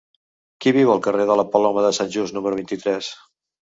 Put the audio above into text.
Qui viu al carrer de la Palma de Sant Just número vint-i-tres?